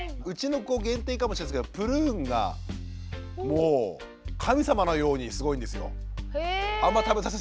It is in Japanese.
うちの子限定かもしれないですけどプルーンがもう神様のようにすごいんですよ。